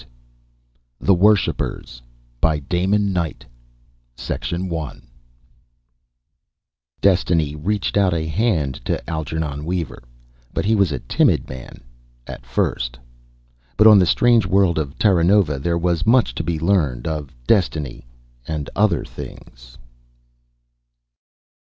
net THE WORSHIPPERS BY DAMON KNIGHT ILLUSTRATED BY EMSH Destiny reached out a hand to Algernon Weaver but he was a timid man, at first. But on the strange world of Terranova, there was much to be learned of destiny, and other things....